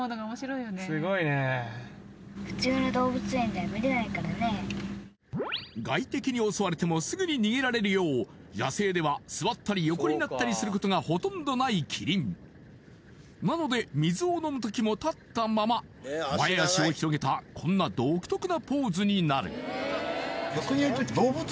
すごいね外敵に襲われてもすぐに逃げられるよう野生では座ったり横になったりすることがほとんどないキリンなので水を飲む時も立ったまま前脚を広げたこんな独特なポーズになるその時